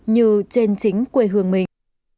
như trên chính quê hương mình